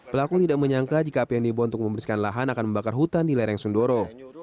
pelaku tidak menyangka jika api yang dibawa untuk membersihkan lahan akan membakar hutan di lereng sundoro